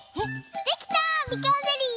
できたみかんゼリー！